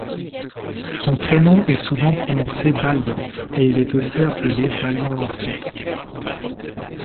Son prénom est souvent prononcé Balian et il est aussi appelé Balian l'Ancien.